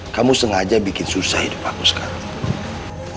kamu sengaja bikin susah hidup aku sekarang